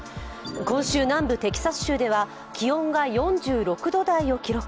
今週、南部テキサス州では気温が４６度台を記録。